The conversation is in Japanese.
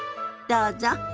どうぞ。